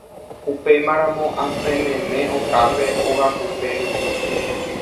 upémaramo asẽmeme okápe ogakupérupi